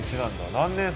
何年生？